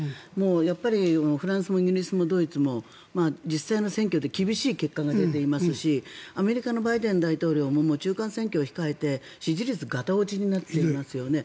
やっぱりフランスもイギリスもドイツも実際の選挙で厳しい結果が出ていますしアメリカのバイデン大統領も中間選挙を控えて支持率ガタ落ちになっていますよね。